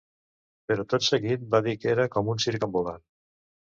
Però tot seguit va dir que era com un circ ambulant.